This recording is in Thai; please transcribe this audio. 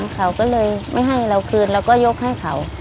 เขาก็เลยไม่ให้เราคืนเราก็ยกให้เขา